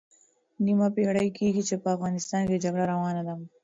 نیمه پېړۍ کېږي چې په افغانستان کې جګړه روانه ده.